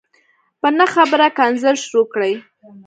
په نه خبره کنځل شروع کړي